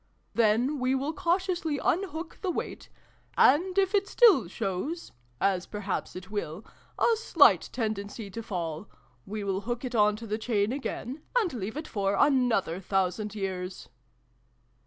" Then we will cautiously unhook the weight : and, if it still shows (as perhaps it will) a slight tendency to fall, we will hook it on to the chain again, and leave it for another thousand years."